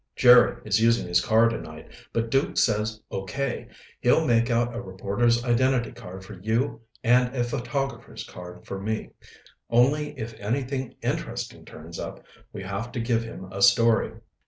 "Jerry is using his car tonight. But Duke says okay. He'll make out a reporter's identity card for you and a photographer's card for me. Only if anything interesting turns up, we have to give him a story."